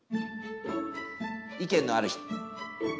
意見のある。